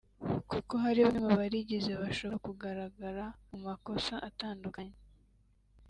kuko hari bamwe mu barigize bashobora kugaragara mu makosa atandukanye